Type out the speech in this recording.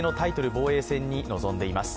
防衛に臨んでいます。